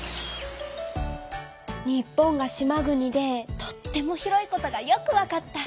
日本が島国でとっても広いことがよくわかった。